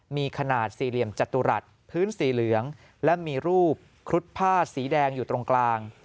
มีขนาดสี่เหลี่ยมจตุรัสพื้นสีเหลืองและมีรูปครุฑผ้าสีแดงอยู่ตรงกลาง